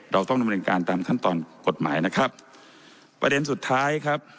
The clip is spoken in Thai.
เราต้องดำเนินการตามขั้นตอนกฎหมายนะครับประเด็นสุดท้ายครับ